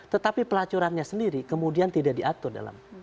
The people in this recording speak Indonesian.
tetapi pelacurannya sendiri kemudian tidak diatur dalam